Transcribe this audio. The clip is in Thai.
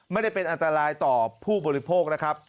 ไม่ได้เป็นอันตรายต่อผู้บริโภคนะครับ